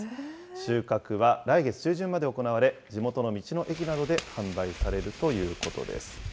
収穫は来月中旬まで行われ、地元の道の駅などで販売されるということです。